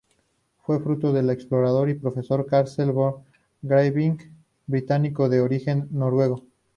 Fue fruto del explorador y profesor Carsten Borchgrevink, británico de origen noruego.